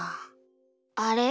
あれ？